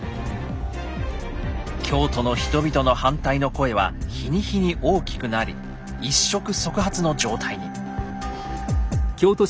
京都の人々の反対の声は日に日に大きくなり一触即発の状態に。